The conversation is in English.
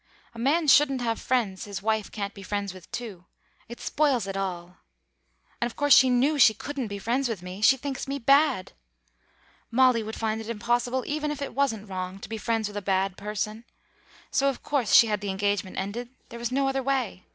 A man shouldn't have friends his wife can't be friends with too; it spoils it all. And of course she knew she couldn't be friends with me; she thinks me bad. Molly would find it impossible even if it wasn't wrong, to be friends with a bad person. So of course she had the engagement ended; there was no other way....